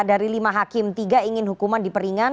dari lima hakim tiga ingin hukuman diperingan